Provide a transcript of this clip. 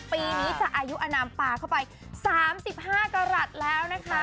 ปีนี้จะอายุอนามปลาเข้าไป๓๕กรัฐแล้วนะคะ